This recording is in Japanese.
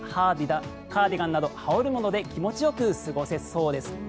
薄手のシャツでカーディガンなど羽織るもので気持ちよく過ごせそうです。